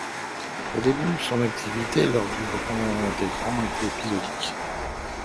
Au début, son activité sur le grand écran est épisodique.